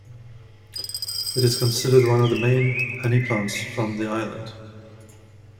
It is considered one of the main honey plants from the island.